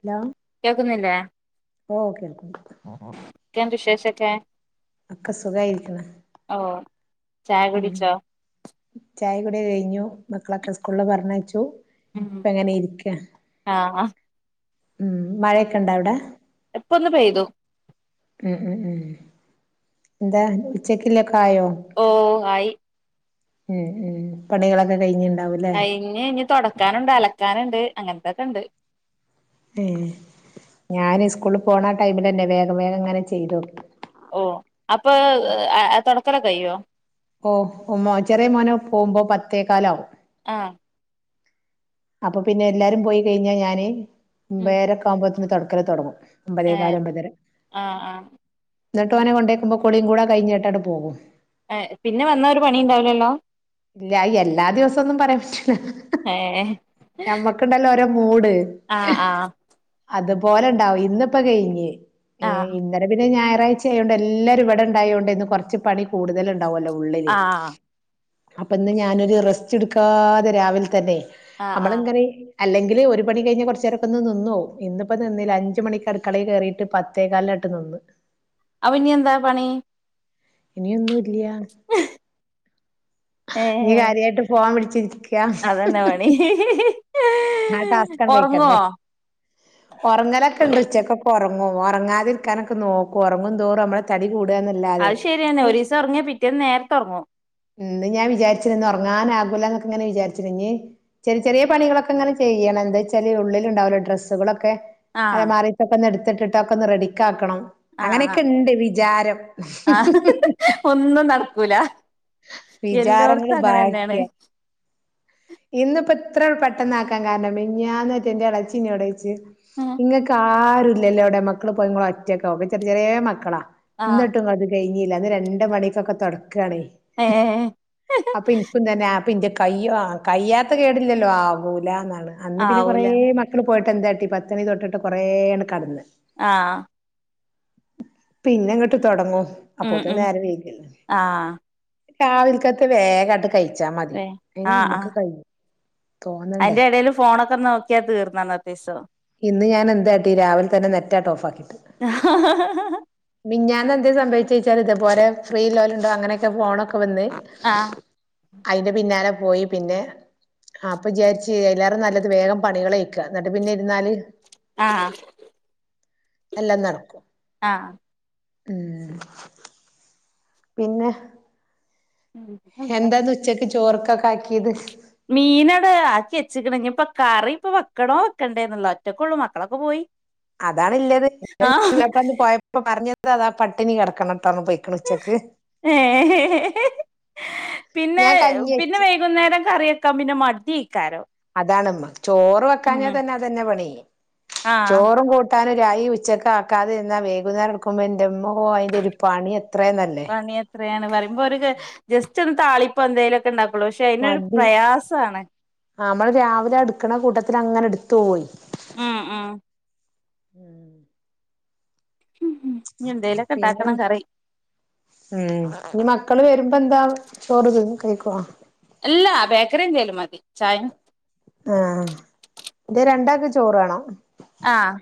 Hello കേൾക്കുന്നില്ലേ ഓ കേൾക്കുണ്ട് എന്തൊക്കെയുണ്ട് വിശേശോക്കെ ഒക്കെ സുഖായിരിക്കുന്നു ഓഹ് ഉം ചായ കൂടി കഴിഞ്ഞു മക്കളൊക്കെ സ്കൂളിൽ പറഞ്ഞയച്ചു. ഇപ്പ എങ്ങനെയിരിക്ക ആഹാ ഉം മഴയൊക്കെ ഉണ്ടാ അവിടെ ഇപ്പ ഒന്ന് പെയ്തു ഉം ഉം ഉം എന്താ ഉച്ചയ്ക്കുള്ളോക്കായോ ഓഹ് ആയി ഉം ഉം പണികളൊക്കെ കഴിഞ്ഞിണ്ടാവും കഴിഞ്ഞ് ഇനി തുടക്കാനുണ്ട് അലക്കാനുണ്ട് അങ്ങനത്തൊക്കെ ഉണ്ട്. ഉം ഞാൻ സ്കൂളിൽ പോണ ടൈമിൽ തന്നെ വേഗം വേഗം അങ്ങനെ ചെയ്തു കൊടുക്കും. ഓഹ് അപ്പൊ തുടക്കല്ലൊക്കെക്കയോ ഓഹ് ചെറിയ മോൻ പോവുമ്പോ പത്തേക്കാലാവും ആഹ് അപ്പൊ പിന്നെ എല്ലാരും പോയി കഴിഞ്ഞാൽ ഞാൻ ഉം ഒംബേര ആവുമ്പോഴത്തെന്ന് തുടക്കൽ തുടങ്ങും. ഒമ്പതേ കാൽ ഏഹ് ഒമ്പതര ആഹ് ആഹ് എന്നിട്ട് ഓനെ കൊണ്ടേക്കുമ്പോ കുളിയും കൂടെ കഴിഞ്ഞിട്ട് പോകും ഏഹ് പിന്നെ വന്ന ഒരു പണി ഉണ്ടാവില്ലല്ലോ ഇല്ല അയ് എല്ലാ ദിവസൊന്നും പറയാൻ പറ്റില്ല ഏഹ് ഞമ്മക്കുണ്ടല്ലോ ഒരോ മൂട് ആഹ് ആഹ് അതുപോലെ ഇണ്ടാവും ഇന്നിപ്പോ കഴിഞ് ഏ ആഹ് അന്നരം പിന്നെ ഞായറാഴ്ചയായോണ്ട് എല്ലാരും ഇവിടെ ഉണ്ടായോണ്ട് ഇന്ന് കുറച്ച് പണി കൂടുതല് ഉണ്ടാവുല്ലോ ഉള്ളില് ആഹ് അപ്പൊ ഇന്ന് ഞാനൊരു റെസ്റ്റ് എടുക്കാതെ രാവിലെ തന്നെ ആഹ് നമ്മള് ആഹ് ഇങ്ങനെ അല്ലെങ്കില് ഒരു പണി കഴിഞ്ഞാ കുറച്ചു നേരക്കൊ ഒന്ന് നിന്നോവും ഇന്നിപ്പോ നിന്നില്ല അഞ്ച് മണിക്ക് അടുക്കളയിൽ കയറിയിട്ട് പത് ത്തേകാലാട്ട് നിന്ന് അവ് ഇനി എന്താ പണി ഇനിയൊന്നും ഇല്യ ഇനി ഏഹ് കാര്യവായിട്ട് ഫോൺ പിടിച്ചിരിക്ക അതന്നെ പണി ആഹ് ടാസ്കങ്‌ ഒറങ്ങുവോ കഴിക്കണ്ടേ ഒറങ്ങലൊക്കെ ഉണ്ട് ഉച്ചക്കൊക്ക ഒറങ്ങും ഒറങ്ങാതിരിക്കാനൊക്കെ നോക്കും ഒറങ്ങും തോറും നമ്മളെ തടി കൂടുകന്നല്ലാതെ അത് ശരിയന്നെ ഒരീസം ഒറങ്ങിയ പിറ്റേന്ന് നേരത്തെ ഒറങ്ങും ഇന്ന് ഞാൻ വിചാരിച്ചിരുന്നു ഒറങ്ങാൻ ആകൂല്ല എന്നൊക്കെങ്ങനെ വിചാരിച്ചിരുന്നു ഇനി ചെറിയ ചെറിയ പണികളൊക് ക്കിങ്ങനെ ചെയ്യണം എന്താ വെച്ചാല് ഉള്ളിൽ ഉണ്ടാവല്ലോ ഡ്രസ്സുകളൊക്കെ ആഹ് അലമാറി ഒന്ന് എടുത്തിട്ടിട്ടൊക്കെ ഒന്ന് റെഡിക്കാക്കണം ആഹ് ആഹ് അങ്ങനെയൊക്കെ ഉണ്ട് വിചാരം ആഹ് ഒന്നും നടക്കൂല വിചാരങ്ങള് എല്ലോടത്തും അങ്ങനെ തന്നെയാണ് ബാക്കിയാ ഇന്നിപ്പോ ഇത്ര പെട്ടെന്ന് ആക്കാൻ കാരണം മിനിഞ്ഞാന്ന് എന്റെ ഇളച്ചിഞ്ഞോടച്ച് ഇങ്ങെക്ക്‌ ആരുല്ലല്ലോ അവിടെ മക്കള് പോയ ഇങ്ങള് ഒറ്റക്ക ചെറിയ ചെറിയ മക്കളാ ആഹ് എന്നിട്ടും അത് കഴിഞ്ഞില്ല അന്ന് രണ്ട് മണിക്കൊക്ക തോടക്കാണേ ഏഹ് അപ്പൊ ഇനിപ്പും തന്നെപ്പ ഇന്റെ കയ്യ ആ കയ്യാത്ത കേടില്ലല്ലോ ആകൂലന്നാണ് അന്ന് പിന്നെ കൊറേ ആവൂല മക്കള് പോയിട്ട് എന്താട്ടി പത്ത് വീതട്ട് കൊറേ അങ്ങട് കടന്ന് ആഹ് പിന്നെ ഇങ്ങട്ട് തൊടങ്ങും ഉം അപ്പൊത്തേന് ഉം നേര വൈകില്ലെ ആഹ് രാവിൽക്കത്ത് വേഗായിട്ട് കഴിച്ചാ മതി വേ അയിന് നമ്മക്ക് കഴിയും തോന്നണ്ടേ അതിന്റെ ഇടയിൽ ഫോണൊക്കെ നോക്കിയാ തീർന്ന് അന്നത്തെ ദിവസം ഇന്ന് ഞാനെന്താട്ടി രാവിൽ തന്നെ നെറ്റായിട്ട് ഓഫാക്കിയിട്ട് [unintelligible] മിഞാന്ന് എന്ത് സംഭവിച്ചൊച്ചാല് ഇതേ പോരെ ഫ്രീ ലോലണ്ടോ അങ്ങനെയൊക്കെ ഫോണൊക്കെ വന്ന് ആഹ് അതിന്റെ പിന്നാലെ പോയി പിന്നെ അപ്പൊ വിചാരിച്ച് എല്ലാരും നല്ലത് വേഗം പണികളെ ക്ക എന്നിട്ട് പിന്നെ ഇരുന്നാല് ആഹ് എല്ലാം നടക്കും ആഹ് ഉം പിന്ന ഉം എന്താത് ഉച്ചക്ക് ചോറൊക്കാക്കിയത് മീനാണ് ആക്കി വച്ചക്ക്ണ് ഇനി ഇപ്പൊ കറി ഇപ്പ വെക്കണോ വെക്കണ്ടേന്നൊള്ളത ഒറ്റക്കെ ഉള്ളൂ മക്കളൊക്കെ പോയി അതാണ്ല്ലത് ആഹ് [unintelligible] പോയപ്പോ പറഞ്ഞത് അതാ പട്ടിണി കിടക്കണംട്ടൊങ്ങ് ‌ പോയി ണ് ഉച്ചക്ക് ഏഹ് പിന്നെ ഞാൻ കഞ്ഞി പിന്നെ വെച്ച് വൈകുന്നേരം കറിവെക്കാൻ പിന്നെ മത്തി [unintelligible] അതാണ് മ്മ ചോറ് വെക്കാഞ്ഞാൽ തന്നെ അതന്നെ പണി ആഹ് ചോറും കൂട് ട്ടാനും രായി ഉച്ചക്ക് ആക്കാതെ എന്നാ വൈകുന്നേരം എടുക്കുമ്പോ എന്റെമ്മോ അതിന്റെ ഒരു പണി എത്രയുനല്ലേ പണി എത്രയാണ് പറയുമ്പോ ഒരു ജസ്റ്റ് ഒരു താളിപ്പോ എന്തെലും ക്കെണ്ടാക്കുള്ളൂ പക്ഷെ അതിനൊരു പ്രയാസാണ് ആഹ് നമ്മള് രാവിലെ അടുക്കണ കൂട്ടത്തിൽ അങ്ങനെ എടുത്തു പോയി ഉം ഉം ഉം ഉം പിന്നെന്ത് ഉം ഇനി മക്കള് വരുമ്പ എന്താ ചോറ്ത് കഴിക്കുവാ അല്ലാ ബേക്കറി എന്തേലും മതി ചായ ആഹ് ഇത് രണ്ടാക്ക് ചോറ് വേണോ ആഹ്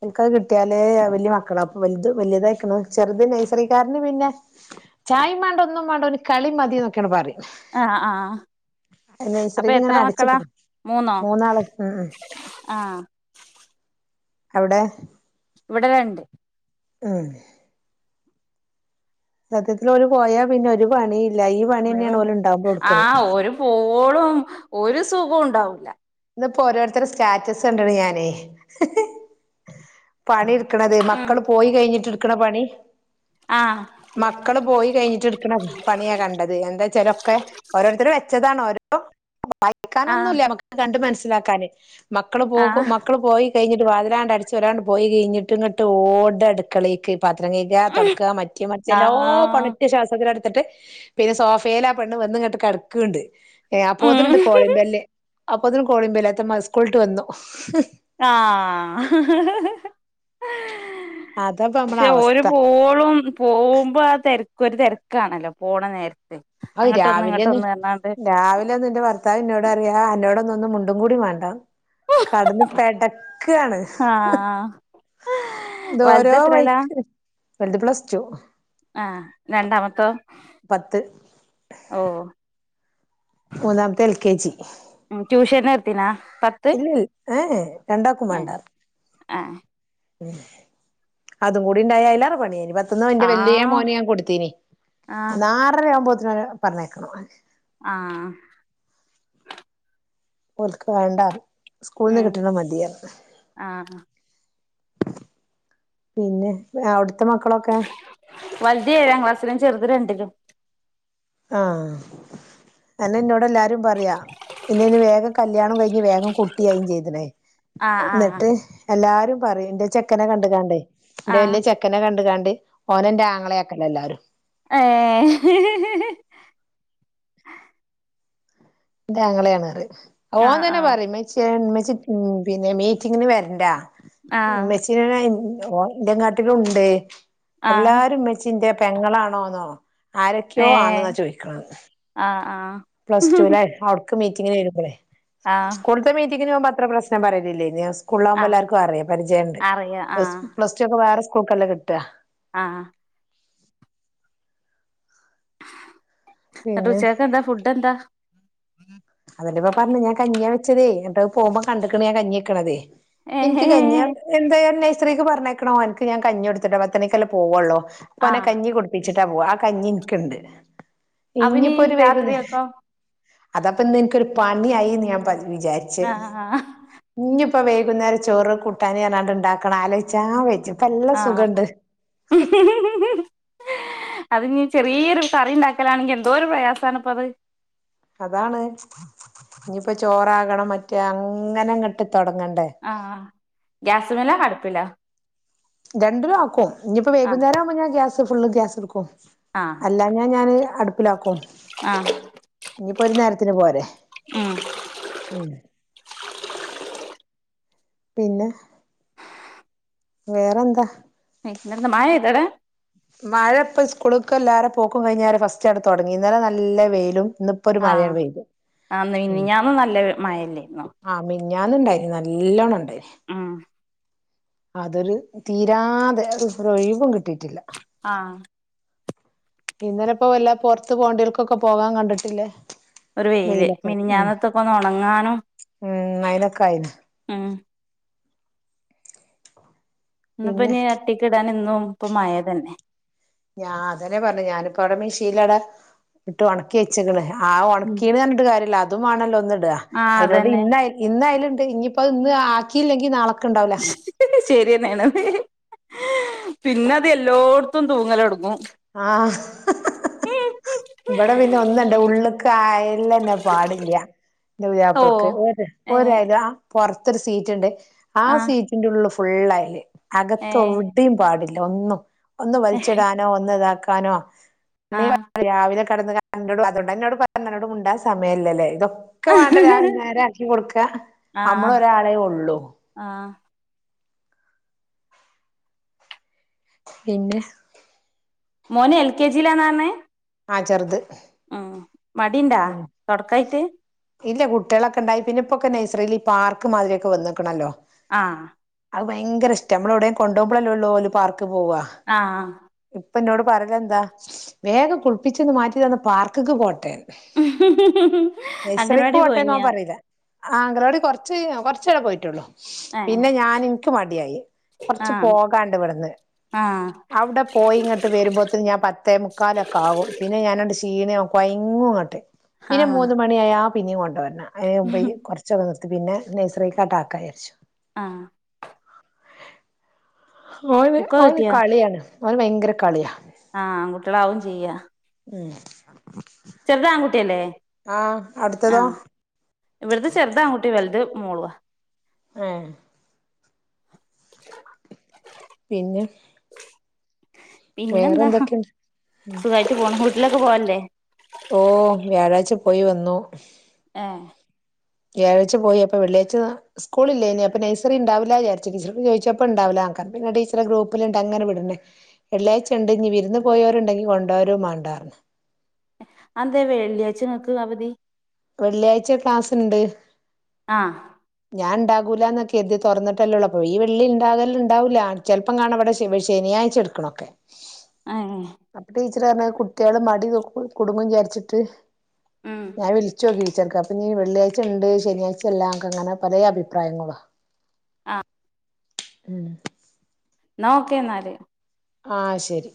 [unintelligible] കിട്ടിയാലേല വലിയ മക്കളാ അപ്പൊ വലുത് വലുതായിക്കണു ചെറുത് നഴ്സറിക്കാരന് പിന്നെ ചായേം മാണ്ട ഒന്നും വേണ്ടന് കളി മതി എന്നൊക്കെയാണ് പറയും ആഹ്‌ ആഹ്‌ നഴ്സറിൽ അപ്പ എത്ര ഇങ്ങനെ മക്കളാ അടച്ചിട്ടില്ലേ മൂന്നോ മൂന്നാള് ഉം ഉം ആഹ്‌ അവിടെ ഇവിടെ രണ്ട് ഏഹ് സത്യത്തില് ഓല് പോയാ പിന്നെ ഒരു പണിയില്ല ഈ പണി തന്നെയാണ് ഓല ഉണ്ടാവുമ്പോളും എടുക്കണ് പ്പോളും ഒരു സുഖോണ്ടാവൂല്ല ഇന്ന്പ്പോ ഓരോരുത്തരെ സ്റ്റാറ്റസ് കണ്ടണ് ഞാനേ പണി എടുക്കണത് ഉം മക്കള് പോയി കയിഞ്ഞിട്ട് എട്ക്ക്‌ണ പണി ആഹ്‌ മക്കള് പോയി കഴിഞ്ഞിട്ട് എടുക്കണ പണിയാ കണ്ടത് എന്താച്ചാ ലൊക്കെ ഓരോരുത്തരർ വെച്ചതാണ് ഓരോ ആഹ് വായിക്കാനൊന്നുല്ല്യ കണ്ട് മനസിലാക്കാന് മക്കള് പോകു ആഹ് മക്കള് പോയി കയിഞ്ഞിട്ട് വാതിലാണ്ട് അടച്ച് ഒരാണ്ട് പോയികയിഞ്ഞിട്ട് ഇങ്ങട്ട് ഓട അടക്കളേക്ക് പാത്രം കൈക തൊടക്ക മറ്റെ മറിച്ചെല്ലാ ആഹ് പണിറ്റശ്വാസത്തില് ട്ട് പിന്നെ സോഫയിലാ പെണ്ണ് വന്ന് ഇങ്ങട്ട് കിടക്ക്ണ്ട് അപ്പോത്തിന്ണ്ട് കോളിങ് ഉം ബെൽ അപ്പൊതേനും കോളിങ് ബെൽ ത്ത മ സ്കൂളിട്ട് വന്നു ആഹ് അതാപ്പം നമ്മളെ പക്ഷെ ഓര് അവസ്ഥ പോളും പോവുമ്പ ആ തിരക്ക ഒരു തിരക്കാണല്ലോ പോണ നേരത്ത് അത് അങ്ങട്ടൊന്ന് രാവിലെന്ന് ഇങ്ങട്ടൊന്ന് പറഞ്ഞാണ്ട് രാവിലൊന്നെന്റെ പ ത്ത എന്നോട് പറിയാ എന്നോടന്ന ഒന്ന് മുണ്ടും കൂടി വേണ്ട കടന്ന് പെടക്കാണ് ആഹ് ഇത് വലുത് ഓരോ എത്രേലാ വൈക്ക് വൽത് പ്ലസ് ടു ആ രണ്ടാമത്തോ പത്ത് ഓ മൂന്നാമത്തെ എൽകെജി മ്മ്ഹ് ട്യൂഷന് ചേർത്തിനാ പത്ത് ഇല്ല ഇ ഏഹ് രണ്ടാക്കും ഏഹ് വേണ്ടത് ഏഹ് അതും കൂടി ഇണ്ടായ അയിലേറെ പണിയെനി എന്റെ വലിയേ ആഹ് മോന് ഞാൻ കൊടുത്തീന് ആഹ് ആറരയാവുമ്പോത്തേന് പറഞ്ഞയക്കണ ആഹ് ഓല്ക്ക് വേണ്ട സ്കൂളിന്ന് ഉം കിട്ടണ മതിയന്ന് ആഹ് പിന്നെ അവിടുത്തെ മക്കളൊക്കെ വല്ത് ഏഴാം ക്ലാസിലും ചെറുത് രണ്ടിലും ആഹ് എന്നോട് എല്ലാരും പറയാ പിന്നെ ഇ വേഗം കല്യാണം കഴിഞ്ഞ് വേഗം കുട്ടിയായും ചെയ്തേണ് ആഹ് ആഹ് ന്നിട്ട് എല്ലാരും പറയും ഇന്റെ ചെക്കനെ കണ്ട്കാണ്ടേ ഇന്റെ ആഹ് വല്ലിയെ ക്കനെ കണ്ട കാണ്ട് ഓനന്റെ ആങ്ങളയാക്ണെ എല്ലാവരും ഏഹ് ന്റാങ്ങളയാന്ന് പറയും ഓൻ ആഹ് തന്നെ ആഹ് പറയും ഇമ്മച്ചി പിന്നെ മീറ്റിങ്ങിന് വരണ്ട ആഹ് ഓൻ ഇന്നക്കാട്ടിലും ഇണ്ട് ആഹ് എല്ലാരും ജ്ജിന്റെ പെങ്ങളാണോന്നോ ഏ ആരൊക്കെയോ ആണ്ന്നാ ചോദിക്കണത് ആഹ് ആഹ് പ്ലസ്റ്റുലായപ്പോ അവ്ടക് മീറ്റിങ്ങിന് വരുമ്പളെ ആഹ് സ്കൂള മീറ്റിങ്ങിന് പോമ്പോ അത്ര പ്രശ്നം പറയലില്ലേനി സ്കൂളി ആകുമ്പോ ആഹ് എല്ലാവർക്കും അറിയ പരിചയണ്ട് അറിയാം ആഹ് ച്ചപ്പോ വേറെ സ്കൂക്കല്ല കിട്ടുക ആഹ് പിന്നെ എന്നിട്ടുച്ചയ്ക്കെന്താ ഫുഡെന്താ അതല്ലേപ്പ പർഞ്ഞ ഞാ കഞ്ഞിയവെച്ചതേ എന്നിട്ടത് പോകുമ്പോ കണ്ടിക്കണുഞാൻ കഞ്ഞിവെക്കണതേ ഏ ഇൻക്ക് ഹേ കഞ്ഞിയാ എന്തായാലും നെയ്സറിക്ക് പറഞ്ഞയക്കണ ഓനിക്ക് ഞാൻ കഞ്ഞി കൊടുത്തിട്ടാ പത്തരക്കല്ലേ പോവുള്ളോ ഓനെ ആഹ് കഞ്ഞി കുടുപ്പിച്ചിട്ടാ പോവാ ആ കഞ്ഞി ഇനിക്ക്ണ്ട് ഇഞ്ഞി അവനി ഇപ്പോ ഒരു വെയ്കു രാത്രിയൊക്കെ അപ്പൊ ഇന്ന് എനിക്കൊരു പണിയായിന്ന് ഞാൻ പ വിചാരിച്ച ആഹ് ഇഞ്ഞിപ്പോ വെയ്കുന്നേരം ചോറും കൂട്ടാന് പറഞ്ഞാണ്ട്ണ്ടാക്കണം ആലോചിച്ചാ വച്ച ആഹ് അതിനി ചെറിയൊരു തറി ഉണ്ടാക്കലാണെങ്കിൽ എന്തോ ഒരു പ്രയാസമാണ് ഇപ്പൊ അത് അതാണ് ഇനിയിപ്പോ ചോറാകണം മറ്റേ അങ്ങനെ അങ്ങട്ട്ത്തൊടങ്ങണ്ടേ ആഹ് ഗ്യാസ്മേലാണ അടുപ്പിലാ രണ്ടു ആക്കും ഇനിയിപ്പോ ആഹ് വെയ്കുന്നേരം ആവുമ്പോ ഞാ ഗ്യാസ് ഫുള്ള് ഗ്യാസ് എടുക്കും ആഹ് അല്ലാഞ്ഞ ഞാന് അടുപ്പിലാക്കും ആഹ് ഇനിയിപ്പൊരുനേരത്തിന് പോരെ ഉം ഉം പിന്നെ വേറെന്താ പിന്നെന്താ [unintelligible] ഇവടെ മഴ ഇപ്പോ സ്കൂളക്ക് എല്ലാരും പോക്കും കഴിഞ്ഞാല് ഫസ്റ്റ് എട് തൊടങ്ങി ഇന്നലെ നല്ല വെയിലും ഇന്ന്പ്പ് ആഹ് ആഹ് മിനിഞ്ഞാനും നല്ല വെ മഴയിണ്ടേന്നു ആഹ് മിനിഞ്ഞാന്നിണ്ടായിന് നല്ലോണ്ണം ഉണ്ടായിന് ഉം അതൊരു തീരാതെ ഓരൊഴിവും കിട്ടിട്ടില്ല ആഹ് ഇന്നലെപ്പോ വെല്ലോ പുറത്ത് പോണ്ടികൾക്കൊക്കെ പോകാ കണ്ടിട്ടില്ലേ ഒരു വെയില് വെയിലൊക്കെ ഉം മിനിഞ്ഞാന്നത്തൊക്കെ ഒന്ന് ഉണങ്ങാനും ഉം അയിനൊക്കെ ആയിന് ഉം ഇന്ന്പ്പ പിന്നെ ഇനീ എർട്ടിക്കിടാനിന്നും ഇപ്പം മയ തന്നെ ഞാൻ അതന്നെ പറഞ്ഞെ ഞാനിപ്പവ്ടെ മെഷീൻലാട ഇട്ട് ഒണ കേച്ചക്കണ് ആ ഉം ഒണക്കീന്ന് പർനിട്ട്കാര്യല്ല അതും വാണല്ലോ ഒന്നിടുക ആഹ് അയിനോട് അതന്നെ ഇന്ന ഇന്നയല്ണ്ട് ഇഞ്ഞിയിപ്പോ അത് ഇന്ന് ആക്കിയില്ലെങ്കി നാളെ ക് [inaudible] ശരിയെന്നേണോ പിന്നത് എല്ലോട്ത്തും തൂങ്ങലൊടുങ്ങും ആഹ് ഇവടെ പിന്നെ ഒന്നണ്ട് ഉള്ള്ക്കായാല്ലന്നെ പാടില്ല്യ ൻ്റെ ഓ പുതിയാപ്പ്ളക്ക് ഒര് ഏ ഒരയല പുറത്തൊരു സീറ്റ്ണ്ട് ആ ആഹ് സീറ്റിന്റെ ഉള്ള് ഫുള്ളായില് ഏ അകത്തോ തെയും പാടില്ല ഒന്നും ഒന്ന് വലിച്ചിടാനോ ഒന്ന് ഇതാക്കാനോ ആഹ് [unintelligible] രാവിലെ കടന്ന്ങ്ങാണ്ട് ന്നോട് അതുകൊണ്ട് ന്നോട് പറോ [unintelligible] മുണ്ടാ സമയല്ലല്ലേ ഇതോ ഒക്കെ വേണ്ട രാവില നേരെയാക്കി കൊടുക്ക ആഹ് നമ്മളൊരാളെ ഒള്ളൂ ആഹ് പിന്നെ മോൻ എൽ കെ ജി യിലാന്നാർണേ ആഹ് ചർത് ആഹ് മടിയിണ്ടാ തൊടക്കായിട്ട് ഇല്ല കുട്ടികളൊക്കെ ഇണ്ടായി പിന്ന ഇപ്പൊക്കെ നൈസറിയില് ഈ പാർക്ക് മാതിരിയൊക്കെ വന്നിക്കണല്ലോ ആഹ് അത് ഭയങ്കരഷ്ട നമ്മള എവിടേം കൊണ്ടോമ്പഴല്ലേ ഒള്ളു ഓല് പാർക്ക് പോവുക ആഹ് ഇപ്പൊ ന്നോട് പറഞ്ഞ എന്താ വേഗം കുളിപ്പിച്ചന്ന് മാറ്റി തന്ന പാർക്ക്ക്ക് പോട്ടെന്ന് അങ്കനവാടി പോയിനിയാ അങ്കണവാടി കൊറച്ച് കഴിഞ്ഞ കൊറച്ചു [unintelligible] പോയിട്ടുള്ളൂ ഏഹ് പിന്നെ ഞാന് ഇനിക്ക് മടിയായി കൊറച്ച് ആഹ് പോകാനുണ്ട് ഇവിടന്ന് ആഹ് അവിടെ ഇപ്പ ഇങ്ങട്ട് വരുമ്പോെത്തെ ഞാൻ പത്തേ മുക്കാലൊക്കെ ആകും പിന്നെ ഞാനങ്ങട് ഷീണയാവും കൊയങ്ങുങ്ങാട്ട് പിന്നെ ആഹ് മൂന്ന് മണിയായ പിന്നെയും കൊണ്ടുവരണം അതിന് മുമ്പെ കൊറച്ച്- ചു [unintelligible] വ നിർത്തി പിന്നെ നഴ്സറിലോട്ട് ആക്കാന്ന് വിചാരിച്ചു ആഹ് ഓന് ബുക്കൊക്കെ ഓന് കിട്ടിയോ കളിയാണ് ഓന് ഭയങ്കര കളിയാ ആഹ് ആൺ കുട്ടികളാവും ചെയ്യ്യ ഉം ചെറുത് ആൺകുട്ടിയല്ലേ ആഹ് അവിടുത്തതോ ഇവിടത്തെ ചെറുത് ആൺകുട്ടി വലുത് മോളുവാ. ആഹ് പിന്നെ പിന്നെ എന്താ വേറെന്തൊക്കെണ്ട് സുഖായിട്ട് പോണു വീട്ടിലൊക്കെ പോവാറില്ലേ ഓഹ് വ്യാഴാഴ്ച്ച പോയി വന്നു ആഹ് വ്യാഴ്ച പോയി അപ്പ വെള്ളിയഴ്ച- സ്കൂളില്ലേ ഇനി അപ്പ നഴ്റി ഉണ്ടാവില്ല വിചരിച്ച് ടീച്ചക്ക്‌ ചോദിച്ചപ്പ ഉണ്ടാവില്ല ആ പിന്നെ ടീച്ചറെ ഗ്രൂപ്പിലുണ്ട് അങ്ങനെ വിടണേ വെള്ളിയഴച ഉണ്ട് ഇനി വിരുന്ന് പോയവരുണ്ടെങ്കിൽ കൊണ്ടോ വരോ വേണ്ട അത് എന്തേ വെള്ളിയാഴ്ച നിങ്ങക്ക് അവധി വെള്ളിയാഴ്ച ക്ലാസ് ഇണ്ട് ആഹ് ഞാൻ ഉണ്ടാകൂലാന്നൊക്കെ എത് തുറന്നിട്ടല്ലേള്ളൂ അപ്പൊ ഈ വെള്ളി ഉണ്ടാകല് ഉണ്ടാവൂല്ല ചെല - അപ്പം കാണാം അവിടെ ശനിയാഴ്ച്ചെടുക്കണൊക്കെ ആഹ് അപ്പൊ ടീച്ചർ പറഞ്ഞ് കുട്ടികള് മടി കുടുങ്ങും വിചാരിച്ചിട്ട്. ഉം ഞാൻ വിളിച്ച് നോക്കി ടീച്ചർ - ഇനി വെള്ളിയാഴ്ച ഉണ്ട് ശനിയാഴ്ചയില്ലാ അങ്ങനെ പല അഭിപ്രായങ്ങള- ആഹ് ഉം എന്നാ ഓകെ എന്നാല് ആഹ് ശരി